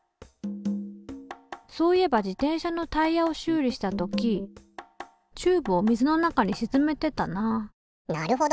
そういえば自転車のタイヤを修理した時チューブを水の中にしずめてたななるほど。